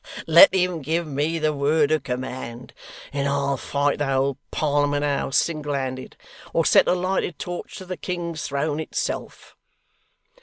Let him give me the word of command, and I'll fight the whole Parliament House single handed, or set a lighted torch to the King's Throne itself!